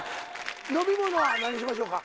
飲み物は何しましょうか？